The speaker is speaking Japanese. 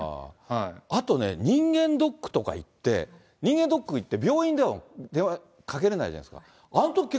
あとね、人間ドックとか行って、人間ドック行って病院では電話かけれないじゃないですか。